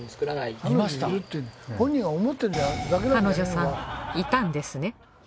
彼女さんいたんですね。